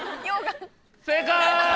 正解！